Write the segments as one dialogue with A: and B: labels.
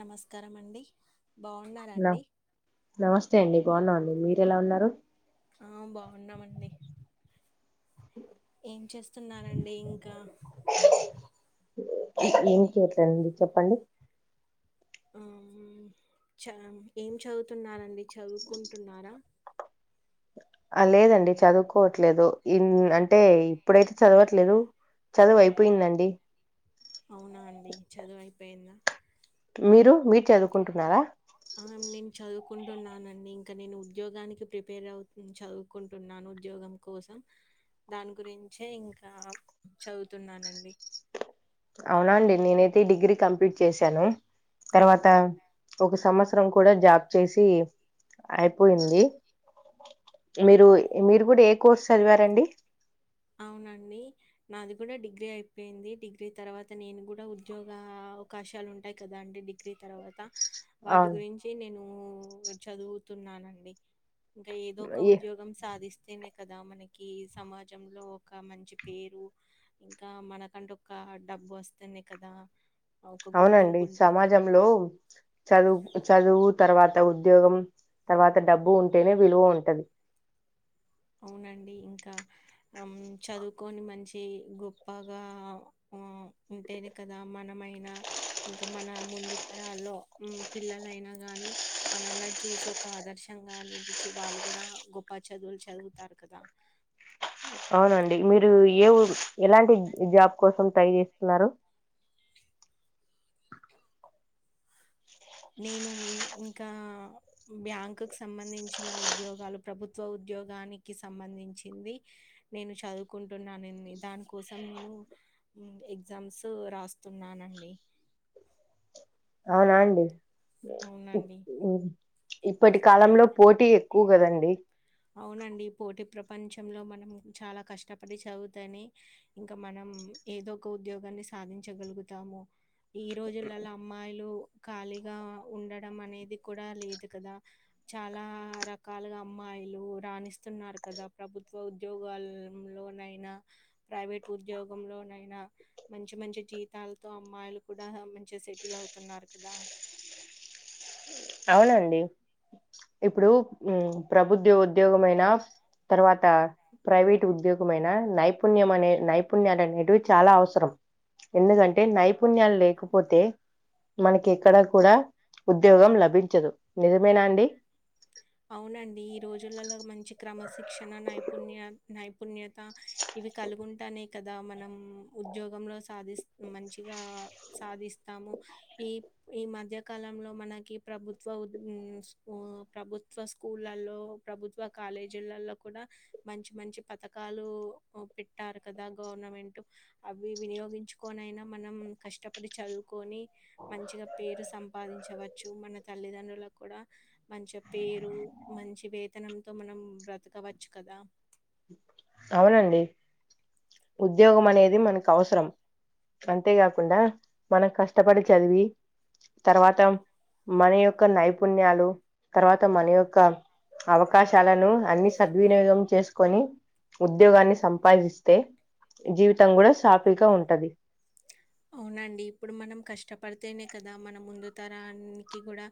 A: నమస్కారం అండి
B: నా
A: బాగున్నారండి
B: నమస్తే అండి బాగున్నా అండి మీరు ఎలా ఉన్నారు
A: ఆ బాగున్నామండి ఏం చేస్తున్నారండి ఇంకా
B: ఏం చెయ్యట్లండి చెప్పండి
A: ఆ చ ఏం చదువుతున్నారండి చదువుకుంటున్నారా
B: ఆ లేదండి చదువుకోవట్లేదు ఇ అంటే ఇప్పుడైతే చదవట్లేదు చదువు అయిపోయిందండి
A: అవునా అండి చదువు అయిపోయిందా
B: మీరు మీరు చదువుకుంటున్నారా
A: ఆ నేను చదువుకుంటున్నానండి ఇంకా నేను ఉద్యోగానికి ప్రిపేర్ అవుతు చదువుకుంటున్నాను ఉద్యోగం కోసం దాని గురించే ఇంకా చదువుతున్నానండి
B: అవునా అండి నేనైతే డిగ్రీ కంప్లీట్ చేశాను తర్వాత ఒక సంవత్సరం కూడా జాబ్ చేసి అయిపోయింది మీరు మీరు కూడా ఏ కోర్స్ చదివారండి
A: అవునండి నాది కూడా డిగ్రీ అయిపోయింది డిగ్రీ తర్వాత నేను కూడా ఉద్యోగ అవకాశాలు ఉంటాయి కదా అండి డిగ్రీ తర్వాత వాటి
B: అవును
A: గురించి నేను చదువుతున్నానండి ఇంకా ఏదో ఒక
B: ఏ
A: ఉద్యోగం సాధిస్తంది అదే కదా మనకి సమాజ జం లో ఒక మంచి పేరు ఇంకా మనకంటే ఒక డబ్బు వస్తుంది కదా ఒక
B: అవునండి
A: గుర్తింపు ఉంటది.
B: సమాజంలో చదువు చదువు తర్వాత ఉద్యోగం తర్వాత డబ్బు ఉంటేనే విలువ ఉంటది
A: అవునండి ఇంకా చదువుకొని మంచి గొప్పగా ఉంటేనే కదా మనమైనా ఇంకా మన ముందు తరాల్లో పిల్లలైనా గాని మనల్లా చూసి ఒక ఆదర్శంగా నిలిచి వాళ్ళు కూడా గొప్ప చదువులు చదువుతాారు కాదా
B: అవునండి మీరు ఏ ఎలాంటి జాబ్ కోసం ట్రై చేస్తున్నారు
A: నేను ఇంకా బ్యాంకుకు సంబంధించిన ఉద్యోగాలు ప్రభుత్వ ఉద్యోగానికి సంబంధించింది నేను చదువుకుంటున్నానండి దానికోసం నేను ఎగ్జామ్స్ రాస్తున్నానండి
B: అవునా అండి
A: అవునండి
B: ఇప్పటి కాలంలో పో టి ఎక్కువ కదండి
A: అవునండి పోటీ ప్రపంచంలో మనం చాలా కష్టపడి చదువుతేనే ఇంకా మనం ఏదో ఒక ఉద్యోగాన్ని సాధించగలుగుతాము ఈ రోజులలో అమ్మాయిలు ఖాళీగా ఉండడం అనేది కూడా లేదు కదా చాలా రకాలుగా అమ్మా మాయిలు రాణిస్తున్నారు కదా ప్రభుత్వ ఉద్యోగాల లోనైనా ప్రైవేట్ ఉద్యోగంలోనైనా మంచి మంచి జీతాలతో అమ్మాయిలు కూడా మంచిగా సెటిల్ అవుతున్నారు కదా
B: అవునండి ఇప్పుడు ప్రభుత్వ ఉమ్ ఉద్యోగమయిైన తర్వాత ప్రైవేట్ ఉద్యోగమయినా నైపుణ్యం అనే నైపుణ్యాలు అనేటివి చాలా అవసరం ఎందుకంటే నైపుణ్యాలు లేకపోతే మనకి ఎక్కడ కూడా ఉద్యోగం లభ భించదు నిజమేనా అండి
A: అవునండి ఈ రోజులలో మంచి క్రమశిక్షణ నైపుణ్య నైపుణ్యత ఇవి కలుగుంటానే కదా మనం ఉద్యోగంలో సాధిస్త మంచిగా సాధిస్తాము ఈ ఈ మధ్య కాలంలో మనకి ప్రభుత్వ ఉ ప్రభుత్వ ప్రభుత్వ స్కూళ్ళలో ప్రభుత్వ కాలేజీలలో కూడా మంచి మంచి పథకాలు పెట్టారు కదా గవర్నమెంట్ అవి వినియోగించుకొనిైనా మనం కష్టపడి చదువుకొని మంచిగా పేరు సంపాదించవచ్చు మన తల్లిదండ్రులు కూడా మంచిగా పేరు మంచి వేతనంతో మనం బ్రతకవచ్చు కదా
B: అవునండి ఉద్యోగం అనేది మనకు అవసరం అంతేకాకుండా మనం కష్టపడి చదివి తర్వాత మన యొక్క నైపుణ్యాలు తర్వాత మన యొక్క అవకాశాలను అన్ని సద్వినియోగం చేసుకొని ఉద్యోగాన్ని సంపాదిస్తే జీవితం కూడా సాఫీగా ఉంటది
A: అవునండి ఇప్పుడు మనం కష్టపడితేనే కదా మన ముందు తరానికి కూడా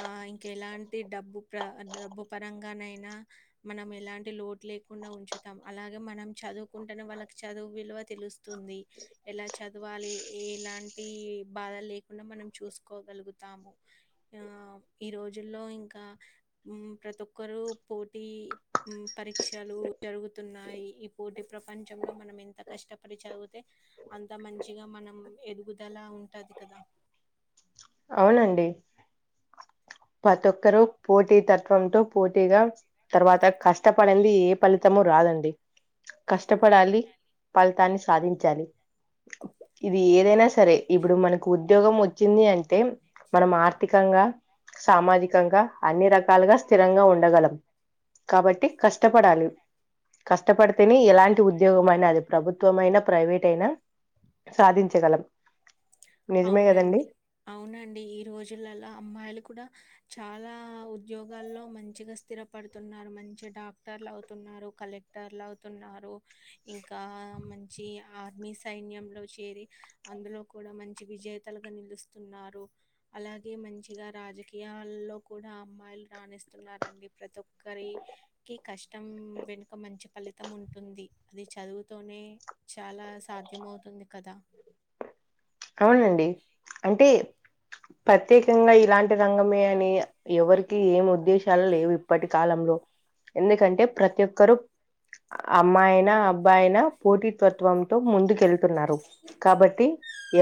A: ఆ ఇంక ఎలాంటి డబ్బు ప్ర డబ్బు పరంగానైనా మనం ఎలాంటి లోటు లేకుండా ఉంచుతాం అలాగే మనం చదువుకుంటున్న వాళ్ళకి చదువు విలువ తెలుస్తుంది ఎలా చదువు వాాలి ఎలాంటి బాధ లేకుండా మనం చూసుకోగలుగుతాము ఆ ఈ రోజుల్లో ఇంకా ప్రతి ఒక్కరు పోటీ పరీక్షలు జరుగుతున్నాయి ఈ పోటీ ప్రపంచంలో మనం ఎంత కష్టపడి చదివితే అంత మం చిగా మనం ఎదుగుదలా ఉంటుంది కదా
B: అవునండి ప్రతి ఒక్కరుూ పోటీ తత్వంతో పోటీగా తర్వాత కష్టపడింది ఏ ఫలితమ రాదండి కష్టపడాలి ఫలితాన్ని సాధించాలి ఇది ఏదైనా సరే ఇప్పుడు మనకు ఉద్యోగం వచ్చింది అంటే మనం ఆర్థికంగా సామాజికంగా అన్ని రకాలుగా స్థిరంగా ఉండగలం కాబట్టి కష్టపడాలి కష్టపడితేనే ఎలాం లా ఉద్యోగమనా అది ప్రభుత్వమయినా ప్రైవేట్ అయినా సాధించగలం నిజమే కదండి
A: అవునండి. అవునండి. ఈ రోజులల్ల అమ్మాయిలు కూడా చాలా ఉద్యోగాల్లో మంచిగా స్థిరపడుతున్నారు మంచి డాక్టర్లు అవుతున్నారు కలెక్టర్లు అవుతున్నారు ఇంకా మంచి ఆర్మీ సైన్యంలో చేరి అందులో కూడా మంచి విజేతలుగా నిలుస్తున్నారు అలాగే మంచిగా రాజకీయాల్లో కూడా అమ్మాయిలు రాణిస్తున్నడి ప్రతి ఒక్కరికి కష్టం వెనుక మంచి ఫలితం ఉంటుంది అది చదువుతోనే చాలా సాధ్యమవుతుంది కదా
B: అవునండి అంటే ప్రత్యేకంగా ఇలాంటి రంగమే అని ఎవరికి ఏం ప్రత్యేకంగా ఇలాంటి రంగమే అని ఎవరికి ఏమి ఉద్దేశాలు లేవు ఇప్పటి కాలంలో ఎందుకంటే ప్రతి ఒక్కరు అమ్మాయినా అబ్బాయినా పోటీ తత్వంతో ముందుకెళ్తారు చెపుతున్నారు కాబట్టి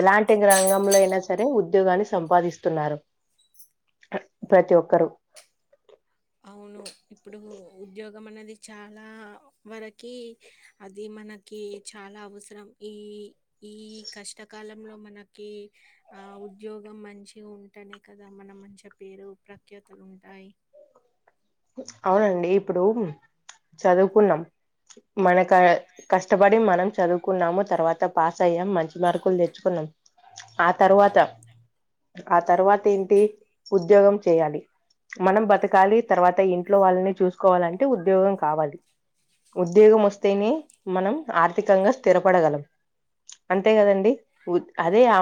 B: పోటీ రంగంలో అయినా సరే ఉద్యోగాన్ని సంపాదిస్తున్నారు ప్రతి ఒక్కరు
A: అవును ఇప్పుడు ఉద్యోగం అనేది చాలా వరకి అది మనకి చాలా అవసరం ఈ ఈ కష్టకాలంలో మనకి ఉద్యోగం మంచిగా ఉంటనే కదా మనం పేరు ప్రఖ్యాతలు ఉంటాయి
B: అవునండి ఇప్పుడు చదువుకున్నాం మన కష్టపడి మనం చదువుకున్నాము తర్వాత పాస్ అయ్యాము మంచిది సరుకులు తెచ్చుకున్నాం ఆ తర్వాత ఆ తర్వాత ఏంటి ఉద్యోగం చేయాలి మనం బతకాలి తర్వాత ఇంట్లో వాళ్ళని చూసుకోవాలంటే ఉద్యోగం కావాలి ఉద్యోగం వస్తేనే మనం ఆర్థికంగా స్థిరపడగలం అంతే కదండి అదే
A: అవును.
B: ఆ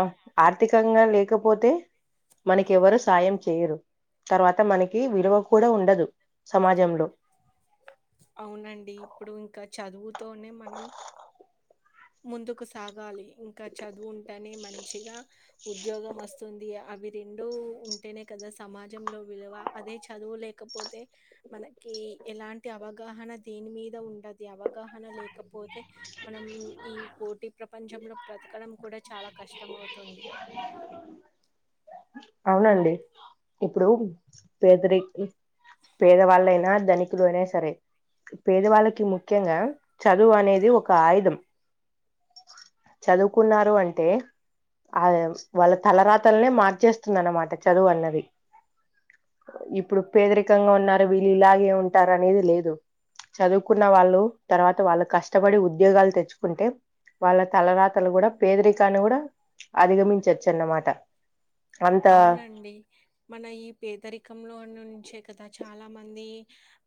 B: ఆర్థికంగా లే లేకపోతే మనకి ఎవరు సాయం చేయరు తర్వాత మనకి విలువ ఉండదు కూడా ఉండదు సమాజంలో
A: అవునండి ఇప్పుడు ఇంకా చదువుతోనే మనం ముందుకు సాగాలి ఇంకా చదువు ఉంటేనే మంచిగా ఉద్యోగం వస్తుంది అవి రెండూ ముందుకు సాగాలి ఇంకా చదువు ఉంటేనే మంచిగా ఉద్యోగం అవి రెండూ ఉంటేనే కదా సమాజంలో విలువ అదే చదువు లేకపోతే మనకి ఎలాంటి అవగాహన దేని మీద ఉండది అవగాహన అవగాహన లేకపోతే మనం ఈ పోటీ ప్రపంచంలో బ్రతకడం కూడా చాలా కష్టం అవుతుంది
B: అవునండి ఇప్పుడు పేదరి పేదవాళ్ళైనా ధనికులు అయినా సరే పేదవాళ్ళకి ముఖ్యంగా చదువు అనేది ఒక ఆయుధం చదువుకున్నారు అంటే ఆ వాళ్ళ తలరాతలనే మార్చేస్తుంది అనమాట చ తర్వాత వాళ్ళు కష్టపడి ఉద్యోగాలు తెచ్చుకుంటే వాళ్ళ తలరాతలు కూడా పేదరికాన్ని కూడా అధిగమించవచ్చు అన్నమాట అంత
A: అవునండి మన ఈ పేదరికంలో నుంచి చాలామంది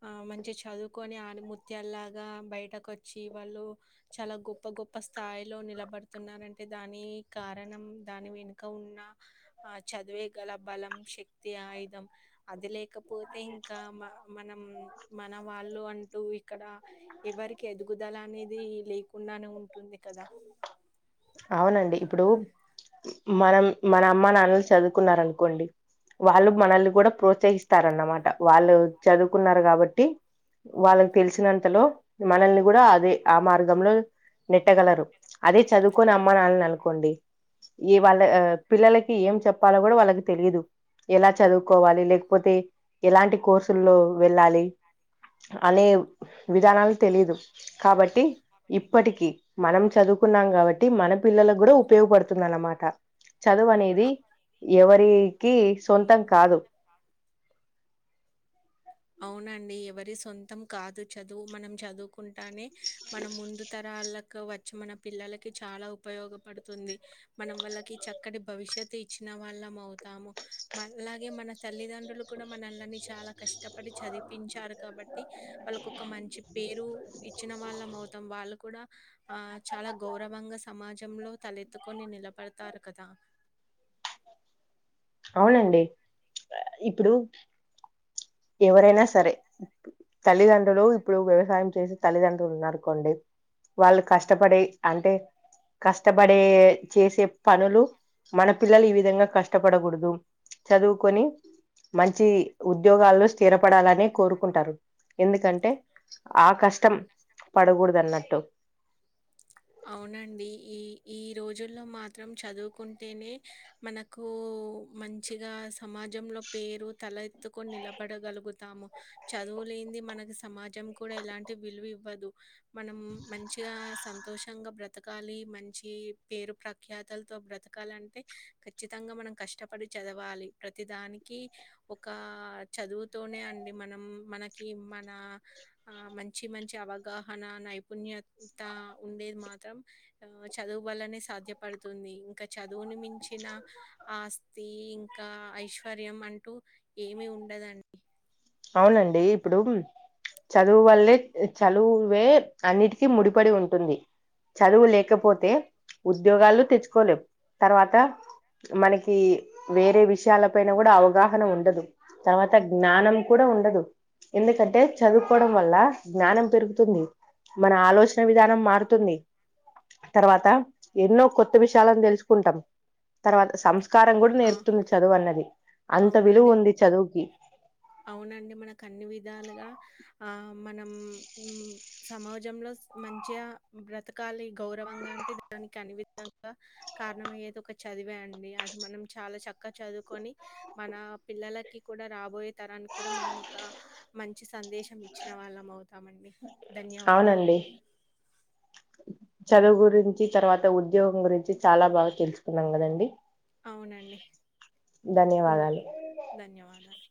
A: ఆ మంచిగా చదువుకొని ముత్యలాగా బయటకుచ్చి వాళ్ళు చాలా గొప్ప గొప్ప స్థాయిలో నిలబడుతున్నారు అంటే దాని కారణం దాని వెనుక ఉన్న ఆ చదువే కదా బలం శక్తి ఆయుధం అది లేకపోతే అయితే ఇంకా మనం మన వాళ్ళు అంటే నువ్విక్కడ ఎవరికి ఎదుగుదల అనేది లేకుండానే ఉంటుంది కదా
B: అవునండి ఇప్పుడు మనం మన అమ్మ నాన్నలు చదువుకున్న అనుకోండి వాళ్ళు మనల్ని ఇప్పుడు కూడా ప్రోత్సహిస్తారన్నమాట వాళ్ళు చదువుకున్నారు కాబట్టి వాళ్ళకి తెలిసినంతలో మనల్ని కూడా అదే ఆ మార్గంలో నెట్టగలరు అదే చదువుకొని అమ్మాననిని అనుకోండి ఈ వాళ్ళ పిల్లలకి ఏం చెప్పాలో కూడా వాళ్ళకి తెలిదు ఎలా చదువుకోవాలి లేకపోతే ఎలాంటి కోర్సుల్లో వెళ్ళాలి అనే విధానాలు తెలీదు కాబట్టి ఇప్పటికీ మనం చదువుకున్నాం కాబట్టి మన పిల్లలకు కూడా ఉపయోగపడుతుంది అన్నమాట చదువు అనేది
A: అ
B: ఎవరి కీస్ సొంతం కాదు
A: అవునండి ఎవరి సొంతం కాదు చదువు మనం చదువుకుంటానే మనం ముందు తర రాళ్ళకు వచ్చి మన పిల్లలకి చాలా ఉపయోగపడుతుంది మనం వాళ్ళకి చక్కటి భవిష్యత్ ఇచ్చిన వాళ్ళం అవుతాము మ లాగే మన తల్లిదండ్రులు కూడా మనల్లని చాలా కష్టపడి చదిపించారు కాబట్టి వాళ్ళకు ఒక మంచి పేరు ఇచ్చిన వాళ్ళ మవుతాం వాళ్ళు కూడా ఆ చాలా గౌరవంగా సమాజంలో తలెత్తుకొని నిలబడతారు కదా
B: అవునండి ఇప్పుడు ఎవరైనా సరే తల్లిదండ్రులు ఇప్పుడు వ్యవసాయం చేసి తల్లిదండ్రులు ఉన్నారుకోండి వాళ్ళు కష్టపడే అంటే కష్టపడే చేసే పనులు మన పిల్లలు ఈ విధంగా కష్టప పడకూడదు చదువుకొని మంచి ఉద్యోగాల్లో స్థిరపడాలని కోరుకుంటారు ఎందుకంటే ఆ కష్టం పడకూడదు అన్నట్టు
A: అవునండి. ఈ ఈ రోజుల్లో మాత్రం చదువుకుంటేనే మనకు మంచిగా సమాజంలో పేరు తల ఎత్తుకొని నిలబడగలుగుతాము చదువులేని మనకి సమాజం కూడా ఎలాంటి విలువ ఇవ్వదు మనం మంచిగా సంతోషంగా బ్రతకాలి మంచి పేరు ప్రఖ్యాతులతో బ్రతకాలి అంటే ఖచ్చితంగా మనం కష్టపడి చదవాలి ప్రతిదానికి ఒక చదువుతోనే అండి మనం మనకి మన ఆ మం మంచి మంచి అవగాహన నైపుణ్యత ఉండేది మాత్రం ఆ చదువు వల్లనే సాధ్యపడుతుంది ఇంకా చదువుని మించ చిిన ఆస్తి ఇంకా ఐశ్వర్యం అంటూ ఏమి ఉండదండి
B: అవునండి ఇప్పుడు చదువు వల్లే చదువే అన్నిటికీ ముడిపడి ఉంటుంది చదువు లేకపోతే ఉద్యోగాలు తెచ్చుకోలేవు తర్వాత మనకి వేరే విషయాల పైన కూడా అవగాహన ఉండదు తర్వాత జ్ఞానం కూడా ఉండదు ఎందుకంటే చదువుకోవడం వల్ల జ్ఞానం పెరుగుతుంది మన ఆలోచన విధానం మారుతుంది తర్వాత ఎన్నో కొత్త విషయాలను తెలుసుకుంటాం తర్వాత సంస్కృ పకారం కూడా
A: ఆ!
B: నేర్పుతుంది చదువు అన్నది అంత
A: అవునండి
B: విలువ ఉంది చదువుకి
A: అవునండి మనకు అన్ని విధాలు అ ఆ మనం సమాజంలో మంచి బ్రతకాల గౌరవంగా అంటే దానికి కనివి ఇంకా కారణమయ్యేది ఒక చదివే అండి అది మనం చాలా చక్కగా చదువుకొని మన పిల్లలకి కూడా రాబోయే తరానికి కూడా మనం ఒక మంచి సందేశం ఇచ్చిన వాళ్ళం అవుతామండి
B: అవునండి
A: ధన్యవాదాలని
B: చదువు గురించి తర్వాత ఉద్యోగం గురించి చాలా బాగా తెలుసుకున్నాం కదండి
A: అవునండి ఇం
B: ధన్యవాదాలు
A: ధన్యవాదాలు